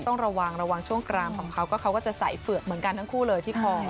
ต้องระวังระวังช่วงกลางของเขาก็เขาก็จะใส่เฝือกเหมือนกันทั้งคู่เลยที่คอ